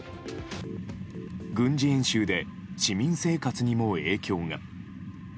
軍事演習で市民生活にも影響が。